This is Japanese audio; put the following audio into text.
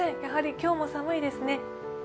やはり今日も寒いですね。